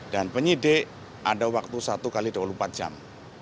penyidik ada waktu satu x dua puluh empat jam